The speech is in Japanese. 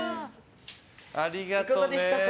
いかがでしたか？